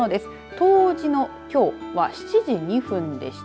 冬至のきょうは７時２分でした。